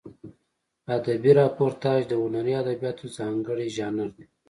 ادبي راپورتاژ د هنري ادبیاتو ځانګړی ژانر دی.